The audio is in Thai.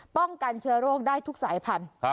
ป้องกันเชื้อโรคได้ทุกสายพันธุ์